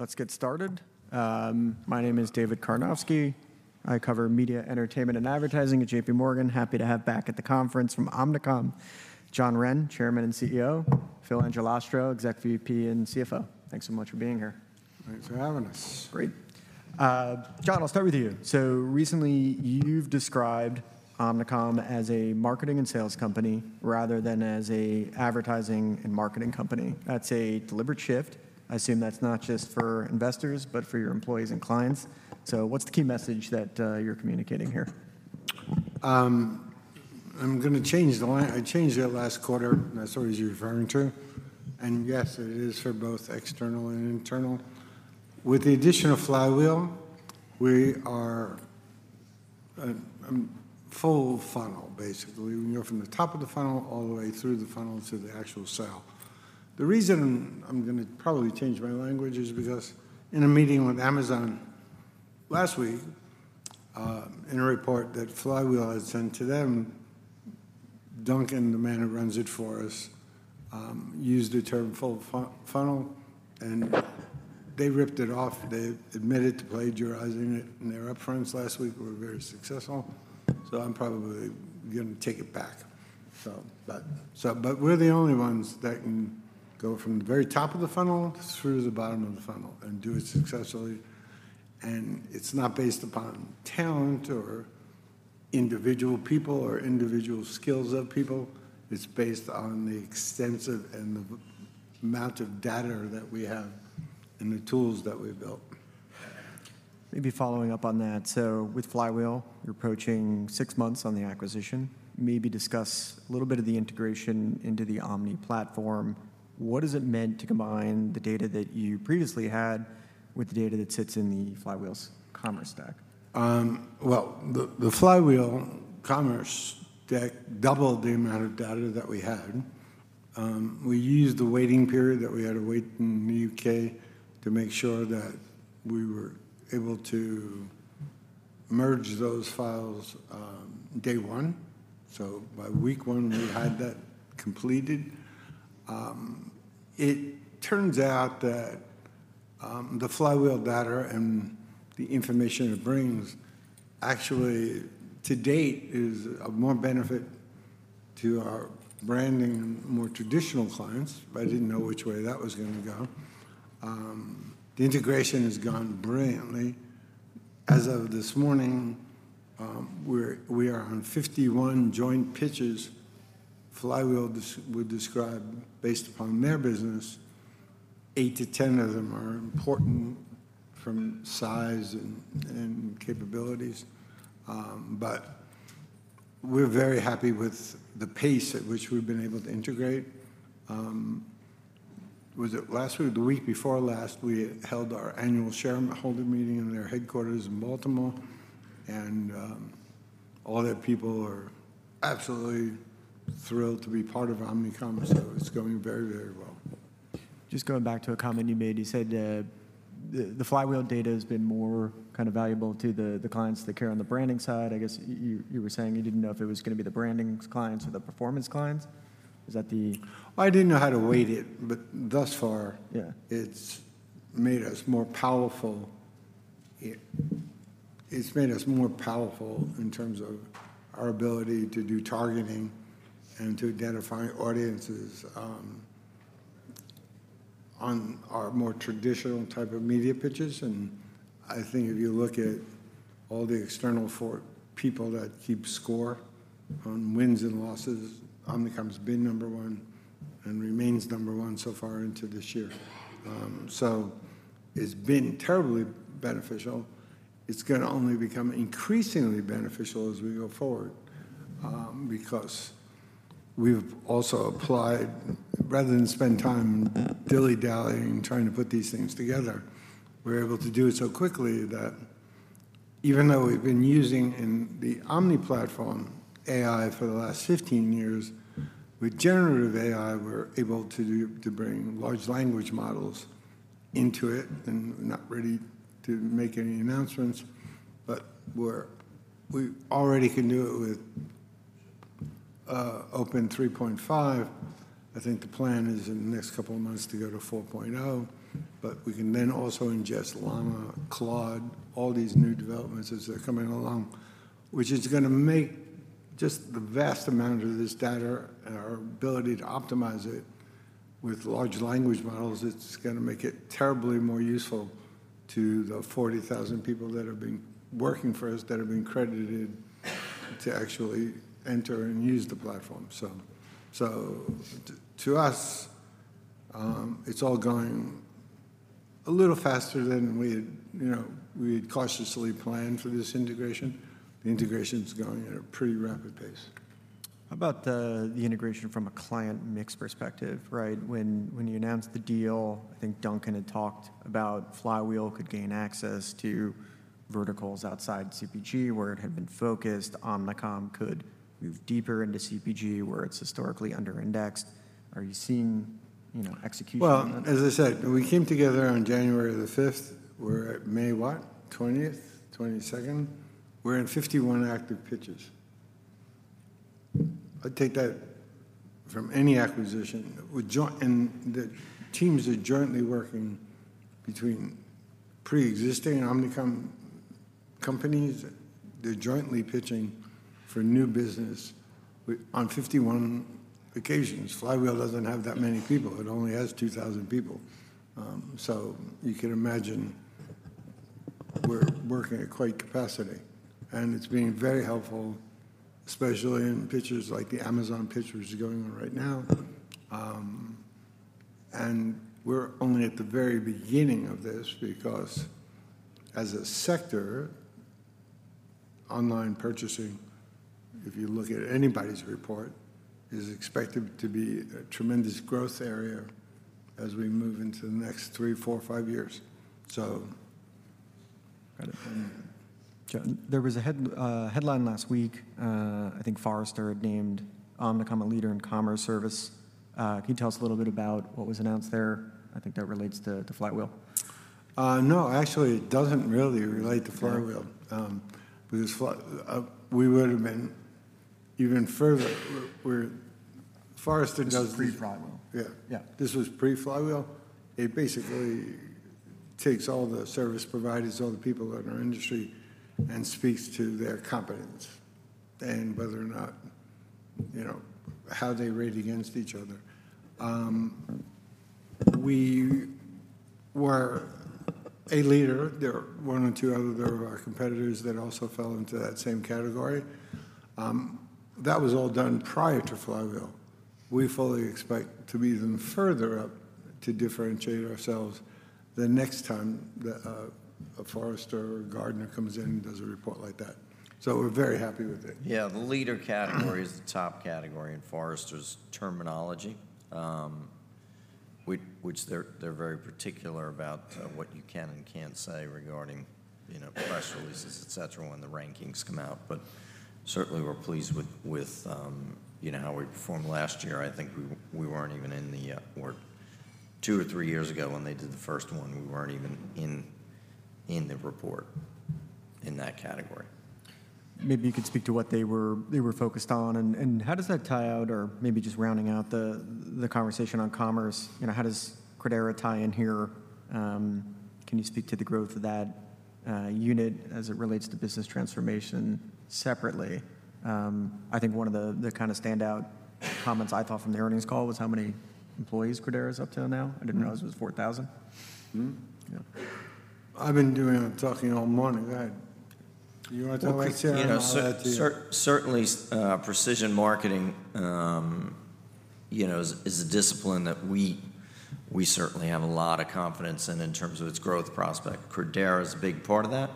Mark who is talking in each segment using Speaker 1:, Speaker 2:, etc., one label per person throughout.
Speaker 1: All right, let's get started. My name is David Karnovsky. I cover media, entertainment, and advertising at J.P. Morgan. Happy to have back at the conference from Omnicom, John Wren, Chairman and CEO, Phil Angelastro, exec VP and CFO. Thanks so much for being here.
Speaker 2: Thanks for having us.
Speaker 1: Great. John, I'll start with you. So recently, you've described Omnicom as a marketing and sales company rather than as an advertising and marketing company. That's a deliberate shift. I assume that's not just for investors, but for your employees and clients. So what's the key message that you're communicating here?
Speaker 2: I'm gonna change the line. I changed it last quarter, and that's what you're referring to, and yes, it is for both external and internal. With the addition of Flywheel, we are a full funnel, basically. We go from the top of the funnel all the way through the funnel to the actual sale. The reason I'm gonna probably change my language is because in a meeting with Amazon last week, in a report that Flywheel had sent to them, Duncan, the man who runs it for us, used the term full funnel, and they ripped it off. They admitted to plagiarizing it, and their upfronts last week were very successful, so I'm probably gonna take it back. We're the only ones that can go from the very top of the funnel through the bottom of the funnel and do it successfully, and it's not based upon talent or individual people or individual skills of people. It's based on the extensive and the amount of data that we have and the tools that we've built.
Speaker 1: Maybe following up on that: so with Flywheel, you're approaching six months on the acquisition. Maybe discuss a little bit of the integration into the Omni platform. What has it meant to combine the data that you previously had with the data that sits in the Flywheel's commerce stack?
Speaker 2: Well, the Flywheel commerce stack doubled the amount of data that we had. We used the waiting period that we had to wait in the U.K. to make sure that we were able to merge those files, day 1. So by week 1, we had that completed. It turns out that the Flywheel data and the information it brings actually, to date, is of more benefit to our branding and more traditional clients, but I didn't know which way that was gonna go. The integration has gone brilliantly. As of this morning, we're, we are on 51 joint pitches. Flywheel would describe, based upon their business, 8-10 of them are important from size and capabilities. But we're very happy with the pace at which we've been able to integrate. Was it last week or the week before last, we held our annual shareholder meeting in their headquarters in Baltimore, and all their people are absolutely thrilled to be part of Omnicom, so it's going very, very well.
Speaker 1: Just going back to a comment you made, you said that the Flywheel data has been more kind of valuable to the clients that care on the branding side. I guess you were saying you didn't know if it was gonna be the branding clients or the performance clients. Is that the-
Speaker 2: I didn't know how to weigh it, but thus far-
Speaker 1: Yeah...
Speaker 2: it's made us more powerful. It's made us more powerful in terms of our ability to do targeting and to identify audiences on our more traditional type of media pitches. I think if you look at all the external four people that keep score on wins and losses, Omnicom's been number one and remains number one so far into this year. So it's been terribly beneficial. It's gonna only become increasingly beneficial as we go forward, because we've also applied. Rather than spend time dilly-dallying, trying to put these things together, we're able to do it so quickly that even though we've been using in the Omni platform AI for the last 15 years, with generative AI, we're able to bring large language models into it, and we're not ready to make any announcements. But we already can do it with Open 3.5. I think the plan is in the next couple of months to go to 4.0, but we can then also ingest Llama, Claude, all these new developments as they're coming along, which is gonna make just the vast amount of this data and our ability to optimize it with large language models. It's gonna make it terribly more useful to the 40,000 people that have been working for us that have been credited to actually enter and use the platform. So to us, it's all going a little faster than we had, you know, we had cautiously planned for this integration. The integration's going at a pretty rapid pace.
Speaker 1: How about the integration from a client mix perspective, right? When you announced the deal, I think Duncan had talked about Flywheel could gain access to verticals outside CPG, where it had been focused. Omnicom could move deeper into CPG, where it's historically under-indexed. Are you seeing, you know, execution.
Speaker 2: Well, as I said, we came together on January the fifth. We're at May what? 20th, 22nd. We're in 51 active pitches. I take that from any acquisition with joint, and the teams are jointly working between preexisting Omnicom companies. They're jointly pitching for new business on 51 occasions. Flywheel doesn't have that many people. It only has 2,000 people. So you can imagine we're working at quite capacity, and it's been very helpful, especially in pitches like the Amazon pitch, which is going on right now. And we're only at the very beginning of this because as a sector, online purchasing, if you look at anybody's report, is expected to be a tremendous growth area as we move into the next 3 years, 4 years, 5 years. So.
Speaker 1: There was a headline last week. I think Forrester had named Omnicom a leader in commerce services. Can you tell us a little bit about what was announced there? I think that relates to Flywheel.
Speaker 2: No, actually, it doesn't really relate to Flywheel. Because we would've been even further. We're, we're—Forrester does-
Speaker 1: This is pre-Flywheel.
Speaker 2: Yeah.
Speaker 1: Yeah.
Speaker 2: This was pre-Flywheel. It basically takes all the service providers, all the people in our industry, and speaks to their competence and whether or not, you know, how they rate against each other. We were a leader. There are one or two other of our competitors that also fell into that same category. That was all done prior to Flywheel. We fully expect to be even further up to differentiate ourselves the next time that a Forrester or Gartner comes in and does a report like that. So we're very happy with it.
Speaker 3: Yeah, the leader category is the top category in Forrester's terminology, which they're very particular about what you can and can't say regarding, you know, press releases, et cetera, when the rankings come out. But certainly, we're pleased with you know, how we performed last year. I think we weren't even in two or three years ago, when they did the first one, we weren't even in the report in that category.
Speaker 1: Maybe you could speak to what they were, they were focused on, and, and how does that tie out? Or maybe just rounding out the, the conversation on commerce, you know, how does Credera tie in here? Can you speak to the growth of that unit as it relates to business transformation separately? I think one of the, the kind of standout comments I thought from the earnings call was how many employees Credera is up to now.
Speaker 3: Mm-hmm.
Speaker 1: I didn't realize it was 4,000.
Speaker 3: Mm-hmm.
Speaker 2: Yeah. I've been doing the talking all morning. I. You wanna talk, Phil, and I'll add to you.
Speaker 3: Well, you know, certainly, precision marketing, you know, is a discipline that we certainly have a lot of confidence in terms of its growth prospect. Credera is a big part of that.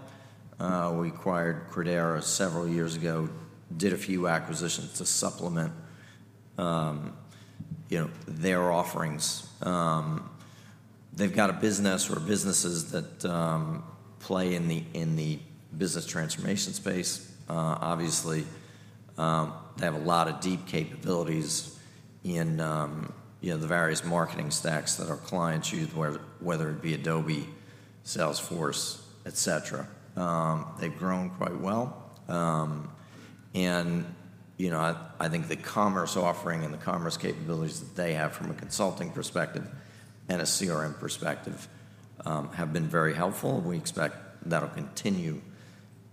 Speaker 3: We acquired Credera several years ago, did a few acquisitions to supplement, you know, their offerings. They've got a business or businesses that play in the business transformation space. Obviously, they have a lot of deep capabilities in, you know, the various marketing stacks that our clients use, whether it be Adobe, Salesforce, et cetera. They've grown quite well. And, you know, I think the commerce offering and the commerce capabilities that they have from a consulting perspective and a CRM perspective, have been very helpful. We expect that'll continue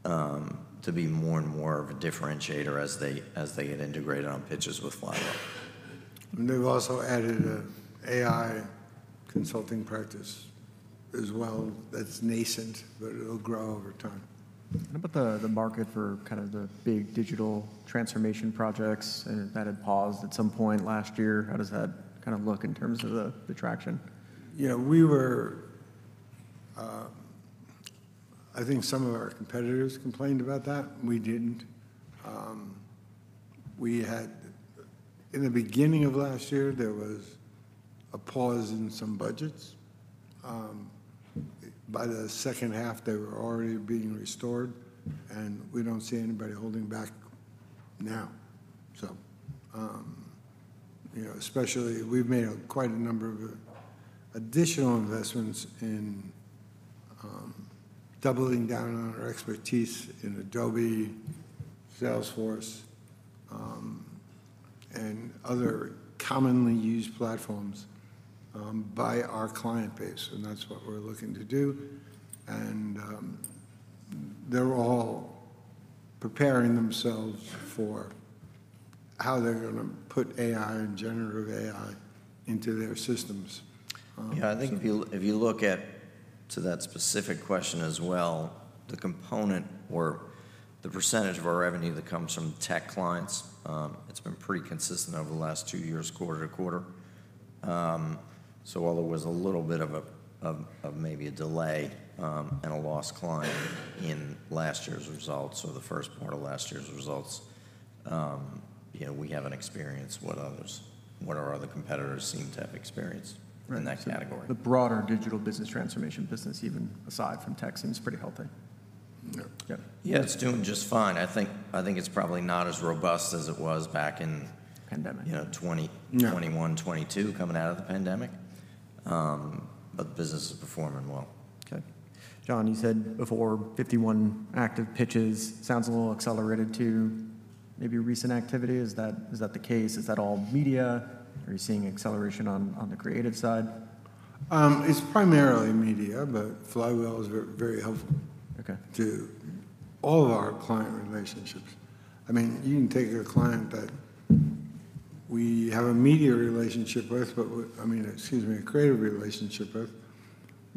Speaker 3: to be more and more of a differentiator as they get integrated on pitches with Flywheel.
Speaker 2: They've also added an AI consulting practice as well. That's nascent, but it'll grow over time.
Speaker 1: How about the market for kind of the big digital transformation projects that had paused at some point last year? How does that kind of look in terms of the traction?
Speaker 2: You know, we were, I think some of our competitors complained about that. We didn't. We had, in the beginning of last year, there was a pause in some budgets. By the second half, they were already being restored, and we don't see anybody holding back now. So, you know, especially we've made quite a number of additional investments in, doubling down on our expertise in Adobe, Salesforce, and other commonly used platforms, by our client base, and that's what we're looking to do. And, they're all preparing themselves for how they're gonna put AI and generative AI into their systems.
Speaker 3: Yeah, I think if you, if you look at, to that specific question as well, the component or the percentage of our revenue that comes from tech clients, it's been pretty consistent over the last two years, quarter to quarter. So, while there was a little bit of a, of maybe a delay, and a lost client in last year's results or the first quarter of last year's results, you know, we haven't experienced what other, what our other competitors seem to have experienced in that category.
Speaker 1: The broader digital business transformation business, even aside from tech, seems pretty healthy.
Speaker 2: Yep.
Speaker 1: Yep.
Speaker 3: Yeah, it's doing just fine. I think, I think it's probably not as robust as it was back in-
Speaker 1: Pandemic...
Speaker 3: you know, 2020. 2021, 2022, coming out of the pandemic, but the business is performing well.
Speaker 1: Okay. John, you said before 51 active pitches. Sounds a little accelerated to maybe recent activity. Is that, is that the case? Is that all media, or are you seeing acceleration on, on the creative side?
Speaker 2: It's primarily media, but Flywheel is very helpful-
Speaker 1: Okay...
Speaker 2: to all of our client relationships. I mean, you can take a client that we have a media relationship with, but I mean, excuse me, a creative relationship with,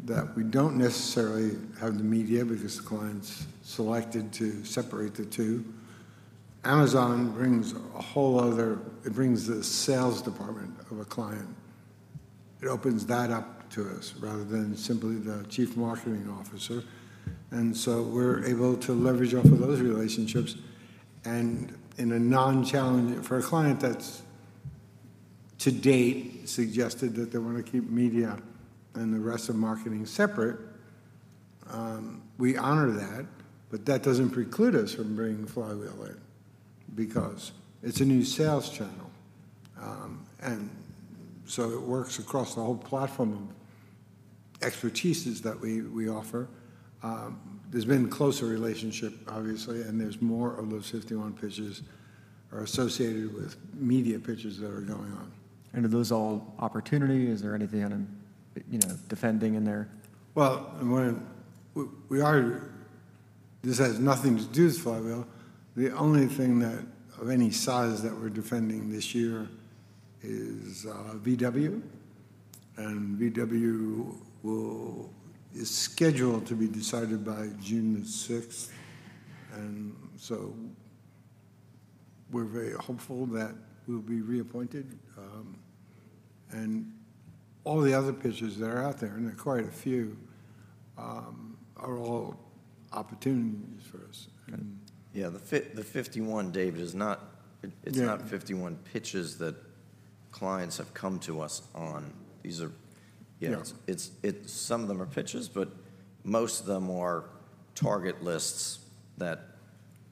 Speaker 2: that we don't necessarily have the media because the client's selected to separate the two. Amazon brings a whole other. It brings the sales department of a client. It opens that up to us, rather than simply the chief marketing officer, and so we're able to leverage off of those relationships. And in a non-challenge, for a client that's, to date, suggested that they want to keep media and the rest of marketing separate, we honor that, but that doesn't preclude us from bringing Flywheel in because it's a new sales channel. And so it works across the whole platform of expertises that we offer. There's been closer relationship, obviously, and there's more of those 51 pitches are associated with media pitches that are going on.
Speaker 1: Are those all opportunity? Is there anything on, you know, defending in there?
Speaker 2: Well, this has nothing to do with Flywheel. The only thing that, of any size, that we're defending this year is VW, and VW will scheduled to be decided by June the sixth, and so we're very hopeful that we'll be reappointed. And all the other pitches that are out there, and there are quite a few, are all opportunities for us.
Speaker 1: Okay.
Speaker 3: Yeah, the 51, David, is not-
Speaker 2: Yeah...
Speaker 3: it's not 51 pitches that clients have come to us on. These are-
Speaker 2: Yeah.
Speaker 3: You know, it's some of them are pitches, but most of them are target lists that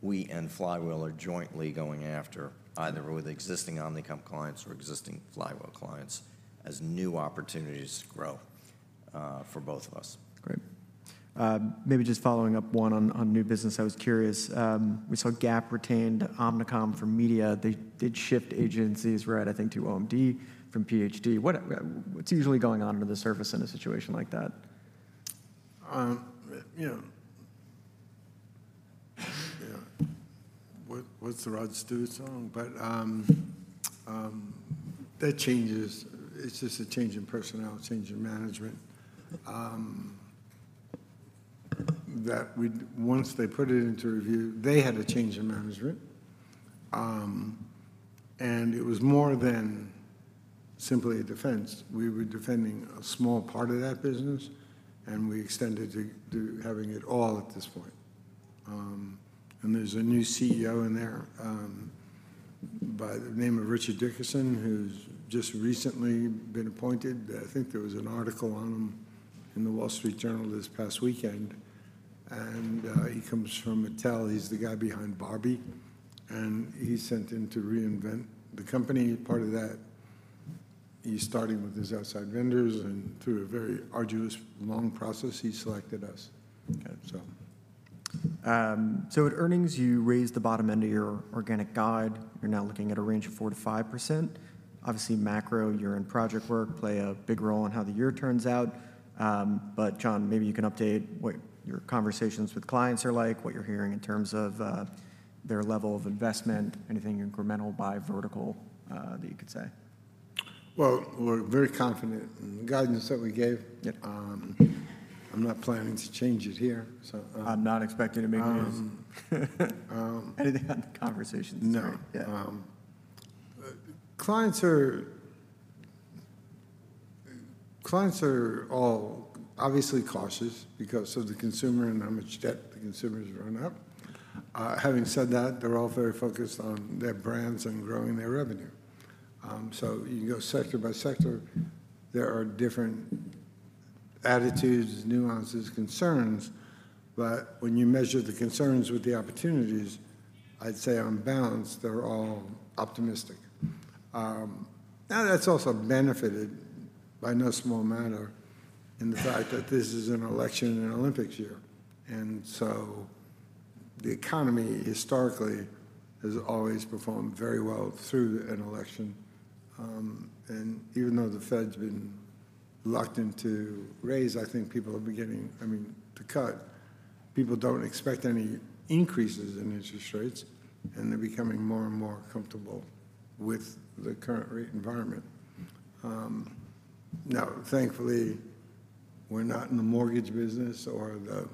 Speaker 3: we and Flywheel are jointly going after, either with existing Omnicom clients or existing Flywheel clients, as new opportunities grow for both of us.
Speaker 1: Great. Maybe just following up, one, on, on new business, I was curious. We saw Gap retained Omnicom for media. They did shift agencies, right, I think to OMD from PHD. What, what's usually going on under the surface in a situation like that?
Speaker 2: You know, yeah. What, what's the Rod Stewart song? But, that changes, it's just a change in personnel, change in management. Once they put it into review, they had a change in management, and it was more than simply a defense. We were defending a small part of that business, and we extended to having it all at this point. And there's a new CEO in there, by the name of Richard Dickson, who's just recently been appointed. I think there was an article on him in the Wall Street Journal this past weekend, and, he comes from Mattel. He's the guy behind Barbie, and he's sent in to reinvent the company. Part of that, he's starting with his outside vendors, and through a very arduous, long process, he selected us.
Speaker 1: Okay. So at earnings, you raised the bottom end of your organic guide. You're now looking at a range of 4%-5%. Obviously, macro, year-end project work play a big role in how the year turns out. But John, maybe you can update what your conversations with clients are like, what you're hearing in terms of their level of investment, anything incremental by vertical, that you could say?
Speaker 2: Well, we're very confident in the guidance that we gave.
Speaker 1: Yeah.
Speaker 2: I'm not planning to change it here, so-
Speaker 1: I'm not expecting to make news. Anything on the conversations?
Speaker 2: No.
Speaker 1: Yeah.
Speaker 2: Clients are all obviously cautious because of the consumer and how much debt the consumer's run up. Having said that, they're all very focused on their brands and growing their revenue. So, you can go sector by sector. There are different attitudes, nuances, concerns, but when you measure the concerns with the opportunities, I'd say on balance, they're all optimistic. Now, that's also benefited, by no small manner, in the fact that this is an election and an Olympics year, and so the economy historically has always performed very well through an election. And even though the Fed's been locked in to raise, I think people are beginning, I mean, to cut, people don't expect any increases in interest rates, and they're becoming more and more comfortable with the current rate environment. Now, thankfully, we're not in the mortgage business or the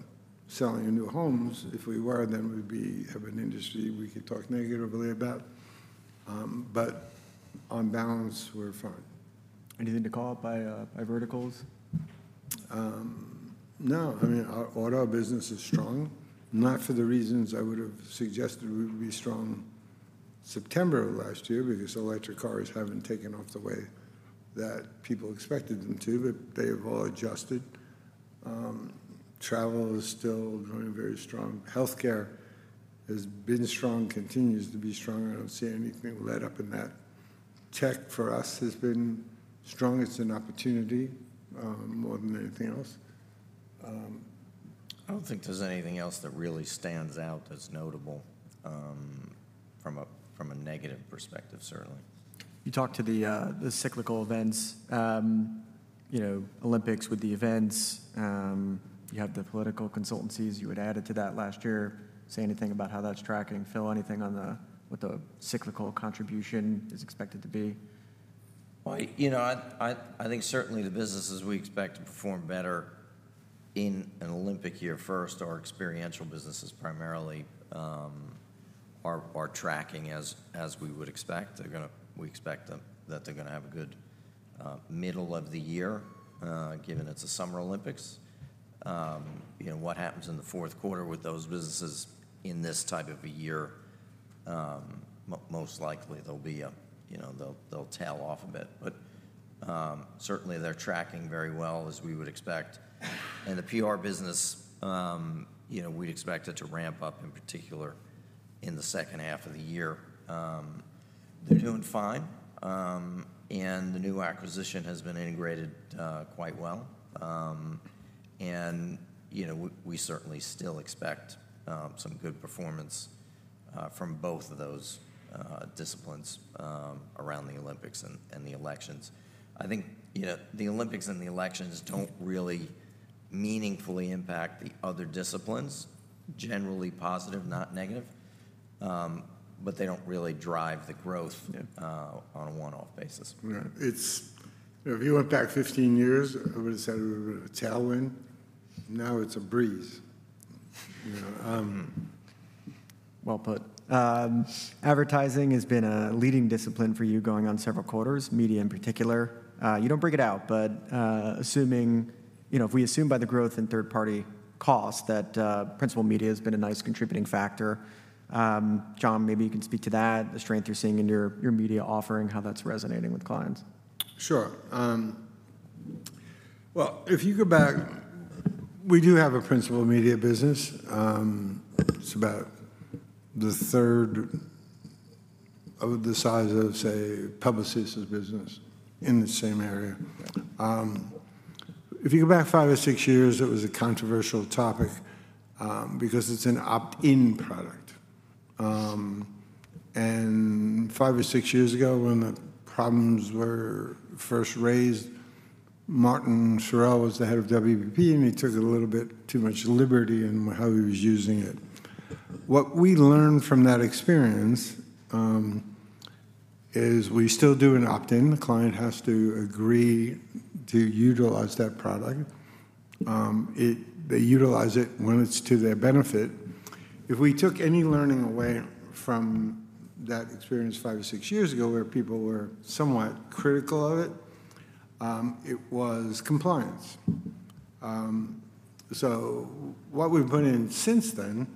Speaker 2: selling of new homes. If we were, then we'd have an industry we could talk negatively about, but on balance, we're fine.
Speaker 1: Anything to call out by verticals?
Speaker 2: No. I mean, our auto business is strong, not for the reasons I would've suggested it would be strong September of last year, because electric cars haven't taken off the way that people expected them to, but they have all adjusted. Travel is still growing very strong. Healthcare has been strong, continues to be strong. I don't see anything let up in that. Tech, for us, has been strong. It's an opportunity, more than anything else.
Speaker 3: I don't think there's anything else that really stands out that's notable, from a negative perspective, certainly.
Speaker 1: You talked to the cyclical events. You know, Olympics with the events. You have the political consultancies you had added to that last year. Say anything about how that's tracking? Phil, anything on what the cyclical contribution is expected to be?
Speaker 3: Well, you know, I think certainly the businesses we expect to perform better in an Olympic year first, are experiential businesses primarily. Are tracking as we would expect. We expect them that they're gonna have a good middle of the year, given it's a Summer Olympics. You know, what happens in the fourth quarter with those businesses in this type of a year, most likely they'll be a, you know, they'll tail off a bit. But certainly they're tracking very well, as we would expect. And the PR business, you know, we expect it to ramp up, in particular, in the second half of the year. They're doing fine. And the new acquisition has been integrated quite well. And, you know, we certainly still expect some good performance from both of those disciplines around the Olympics and the elections. I think, you know, the Olympics and the elections don't really meaningfully impact the other disciplines, generally positive, not negative. But they don't really drive the growth-
Speaker 2: Yeah...
Speaker 3: on a one-off basis.
Speaker 2: Yeah. It's. If you went back 15 years, I would've said it was a tailwind. Now it's a breeze. You know,
Speaker 1: Well put. Advertising has been a leading discipline for you going on several quarters, media in particular. You don't break it out, but, assuming, you know, if we assume by the growth in third-party costs, that principal media has been a nice contributing factor. John, maybe you can speak to that, the strength you're seeing in your media offering, how that's resonating with clients.
Speaker 2: Sure. Well, if you go back, we do have a Principal Media business. It's about the third of the size of, say, Publicis' business in the same area. If you go back five or six years, it was a controversial topic, because it's an opt-in product. And five or six years ago, when the problems were first raised, Martin Sorrell was the head of WPP, and he took a little bit too much liberty in how he was using it. What we learned from that experience is we still do an opt-in. The client has to agree to utilize that product. They utilize it when it's to their benefit. If we took any learning away from that experience five or six years ago, where people were somewhat critical of it, it was compliance. So what we've put in since then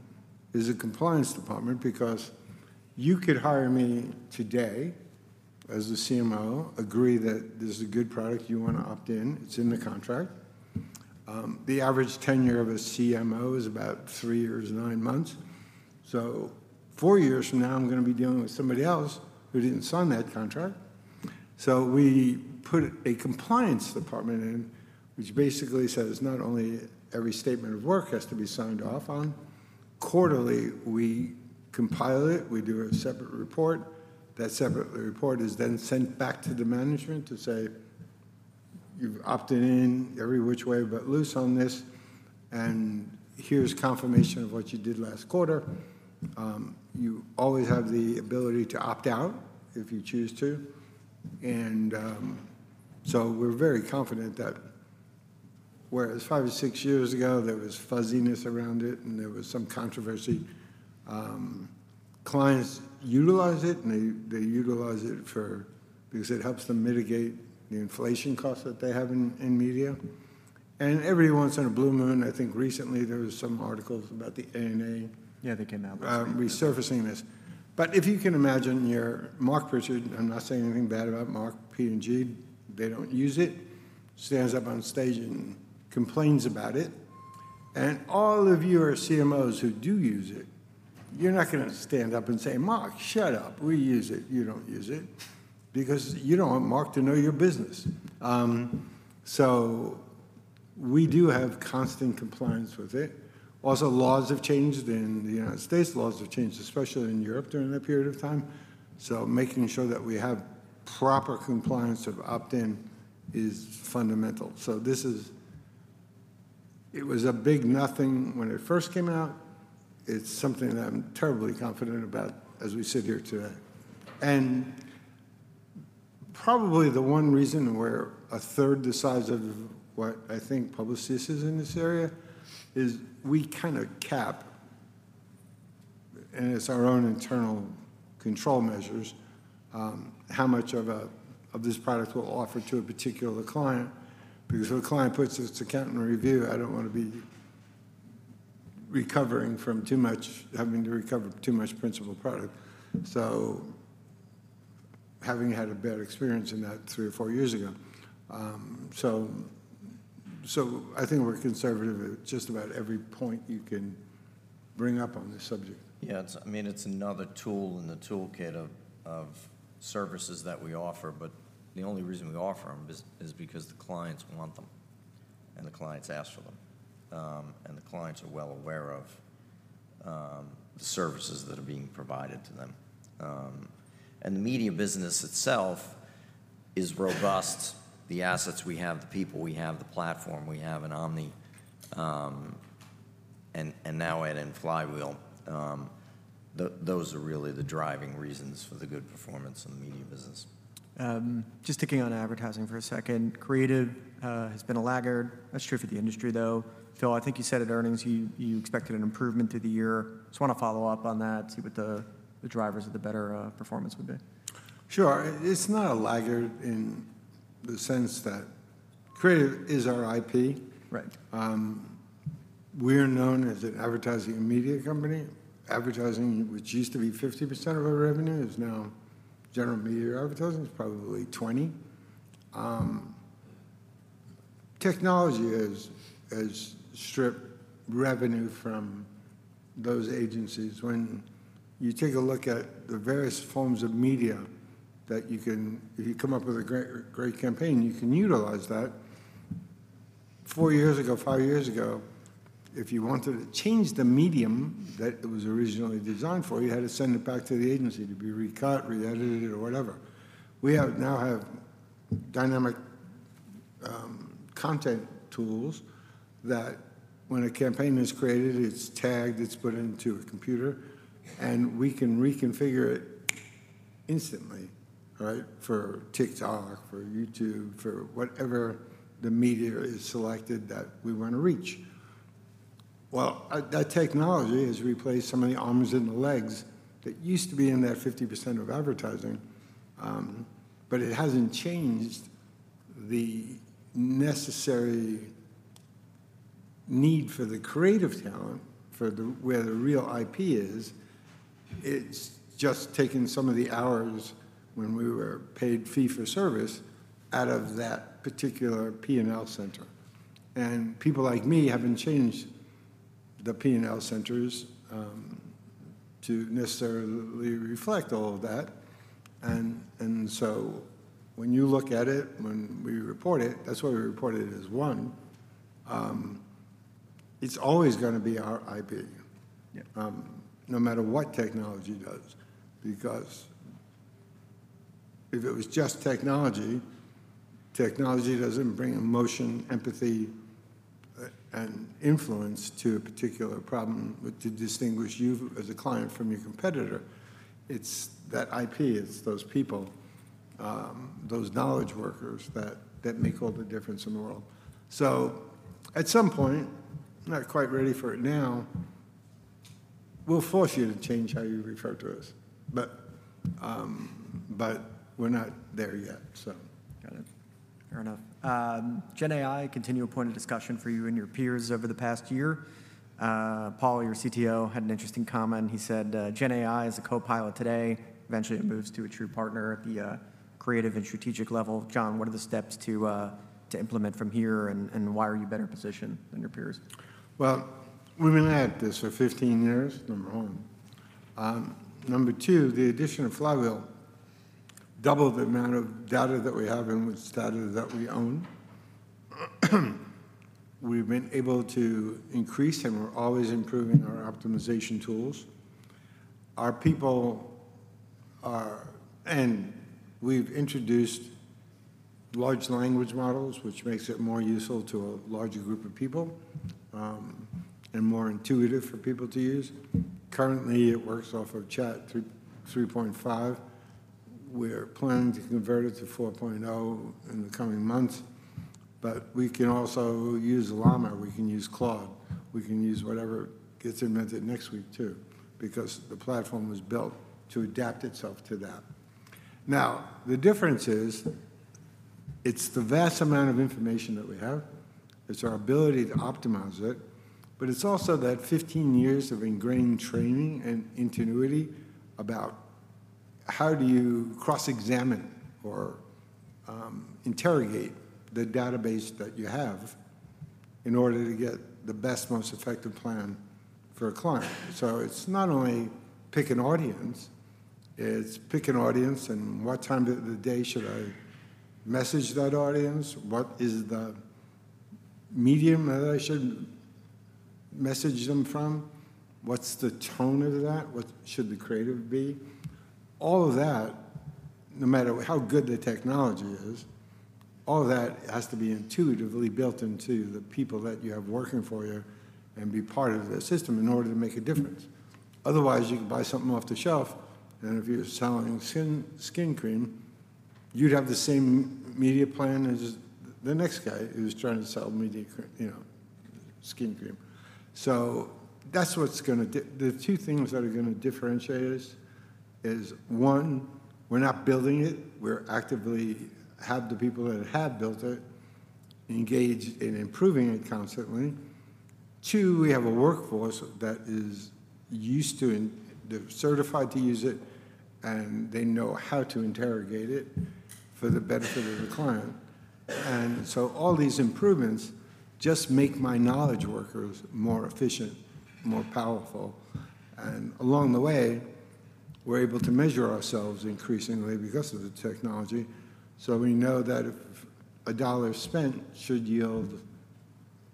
Speaker 2: is a compliance department, because you could hire me today as a CMO, agree that this is a good product, you wanna opt in, it's in the contract. The average tenure of a CMO is about 3 years, 9 months. So 4 years from now, I'm gonna be dealing with somebody else who didn't sign that contract. So we put a compliance department in, which basically says not only every statement of work has to be signed off on, quarterly, we compile it, we do a separate report. That separate report is then sent back to the management to say, "You've opted in every which way but loose on this, and here's confirmation of what you did last quarter. You always have the ability to opt out if you choose to." And, so we're very confident that whereas five or six years ago, there was fuzziness around it, and there was some controversy, clients utilize it, and they, they utilize it for, because it helps them mitigate the inflation costs that they have in, in media. And every once in a blue moon, I think recently there was some articles about the ANA-
Speaker 1: Yeah, they can now-...
Speaker 2: resurfacing this. But if you can imagine you're Marc Pritchard, I'm not saying anything bad about Marc, P&G, they don't use it, stands up on stage and complains about it. And all of you are CMOs who do use it, you're not gonna stand up and say, "Marc, shut up. We use it. You don't use it," because you don't want Marc to know your business. So we do have constant compliance with it. Also, laws have changed in the United States, laws have changed, especially in Europe, during that period of time. So making sure that we have proper compliance of opt-in is fundamental. So this is. It was a big nothing when it first came out. It's something that I'm terribly confident about as we sit here today. Probably the one reason we're a third the size of what I think Publicis is in this area is we kind of cap, and it's our own internal control measures, how much of this product we'll offer to a particular client, because if a client puts this account in review, I don't wanna be recovering from too much, having to recover too much principal product. So having had a bad experience in that three or four years ago, so I think we're conservative at just about every point you can bring up on this subject.
Speaker 3: Yeah, it's, I mean, it's another tool in the toolkit of services that we offer, but the only reason we offer them is because the clients want them, and the clients ask for them. And the clients are well aware of the services that are being provided to them. And the media business itself is robust. The assets we have, the people we have, the platform we have, and Omni, and now adding Flywheel, those are really the driving reasons for the good performance in the media business.
Speaker 1: Just sticking on advertising for a second. Creative has been a laggard. That's true for the industry, though. Phil, I think you said at earnings you expected an improvement to the year. Just wanna follow up on that, see what the drivers of the better performance would be.
Speaker 2: Sure. It's not a laggard in the sense that creative is our IP.
Speaker 1: Right.
Speaker 2: We're known as an advertising and media company. Advertising, which used to be 50% of our revenue, is now general media advertising, is probably 20%. Technology has stripped revenue from those agencies. When you take a look at the various forms of media that you can. If you come up with a great, great campaign, you can utilize that. Four years ago, five years ago, if you wanted to change the medium that it was originally designed for, you had to send it back to the agency to be recut, re-edited or whatever. We now have dynamic content tools that when a campaign is created, it's tagged, it's put into a computer, and we can reconfigure it instantly, right? For TikTok, for YouTube, for whatever the media is selected that we wanna reach. Well, that technology has replaced some of the arms and the legs that used to be in that 50% of advertising, but it hasn't changed the necessary need for the creative talent, for the, where the real IP is. It's just taking some of the hours when we were paid fee for service out of that particular P&L center. And people like me haven't changed the P&L centers, to necessarily reflect all of that. And so when you look at it, when we report it, that's why we report it as one. It's always gonna be our IP-
Speaker 1: Yeah...
Speaker 2: no matter what technology does, because if it was just technology, technology doesn't bring emotion, empathy, and influence to a particular problem to distinguish you as a client from your competitor. It's that IP, it's those people, those knowledge workers that make all the difference in the world. So at some point, I'm not quite ready for it now, we'll force you to change how you refer to us, but, but we're not there yet, so.
Speaker 1: Got it. Fair enough. GenAI, a continual point of discussion for you and your peers over the past year. Paolo, your CTO, had an interesting comment. He said, "GenAI is a co-pilot today. Eventually, it moves to a true partner at the creative and strategic level." John, what are the steps to implement from here, and why are you better positioned than your peers?
Speaker 2: Well, we've been at this for 15 years, number 1. Number 2, the addition of Flywheel doubled the amount of data that we have and which data that we own. We've been able to increase, and we're always improving our optimization tools. We've introduced large language models, which makes it more useful to a larger group of people, and more intuitive for people to use. Currently, it works off of Chat 3, 3.5. We're planning to convert it to 4.0 in the coming months, but we can also use Llama, we can use Claude, we can use whatever gets invented next week, too, because the platform was built to adapt itself to that. Now, the difference is, it's the vast amount of information that we have, it's our ability to optimize it, but it's also that 15 years of ingrained training and intuition about: how do you cross-examine or interrogate the database that you have in order to get the best, most effective plan for a client? So it's not only pick an audience, it's pick an audience, and what time of the day should I message that audience? What is the medium that I should message them from? What's the tone of that? What should the creative be? All of that, no matter how good the technology is, all of that has to be intuitively built into the people that you have working for you and be part of the system in order to make a difference. Otherwise, you can buy something off the shelf, and if you're selling skin cream, you'd have the same media plan as the next guy who's trying to sell skin cream. That's what's gonna do, the two things that are gonna differentiate us is, one, we're not building it, we actively have the people that have built it engaged in improving it constantly. Two, we have a workforce that is used to and they're certified to use it, and they know how to interrogate it for the benefit of the client. All these improvements just make my knowledge workers more efficient, more powerful, and along the way, we're able to measure ourselves increasingly because of the technology. So we know that if a dollar spent should yield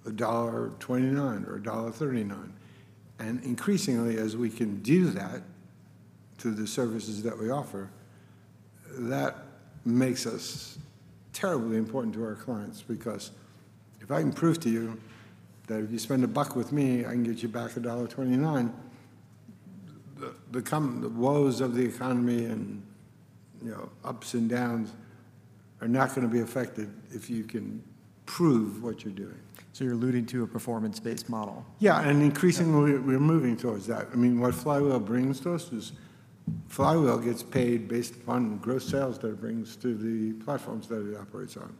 Speaker 2: $1.29 or $1.39, and increasingly, as we can do that through the services that we offer, that makes us terribly important to our clients. Because if I can prove to you that if you spend a buck with me, I can get you back $1.29, the woes of the economy and, you know, ups and downs are not gonna be affected if you can prove what you're doing.
Speaker 1: So you're alluding to a performance-based model?
Speaker 2: Yeah, and increasingly. We're moving towards that. I mean, what Flywheel brings to us is Flywheel gets paid based upon gross sales that it brings to the platforms that it operates on.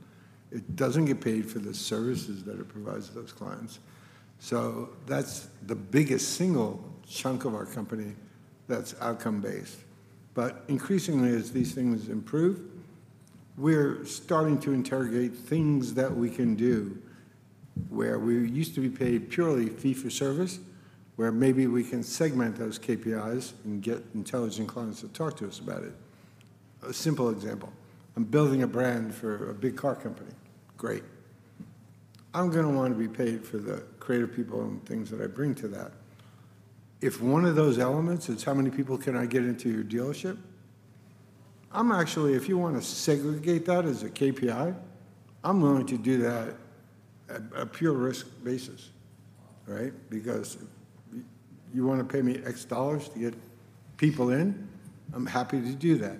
Speaker 2: It doesn't get paid for the services that it provides to those clients. So that's the biggest single chunk of our company that's outcome-based. But increasingly, as these things improve, we're starting to interrogate things that we can do, where we used to be paid purely fee for service, where maybe we can segment those KPIs and get intelligent clients to talk to us about it. A simple example: I'm building a brand for a big car company. Great. I'm gonna wanna be paid for the creative people and things that I bring to that. If one of those elements is how many people can I get into your dealership, I'm actually. If you wanna segregate that as a KPI, I'm willing to do that at a pure risk basis, right? Because if you wanna pay me $X to get people in, I'm happy to do that.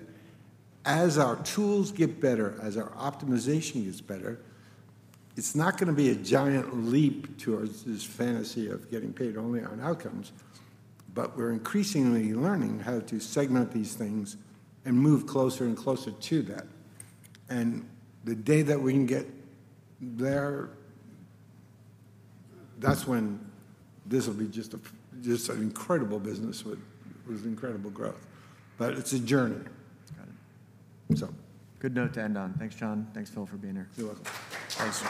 Speaker 2: As our tools get better, as our optimization gets better, it's not gonna be a giant leap towards this fantasy of getting paid only on outcomes, but we're increasingly learning how to segment these things and move closer and closer to that. And the day that we can get there, that's when this will be just an incredible business with incredible growth. But it's a journey.
Speaker 1: Got it.
Speaker 2: So.
Speaker 1: Good note to end on. Thanks, John. Thanks, Phil, for being here.
Speaker 2: You're welcome. Thanks.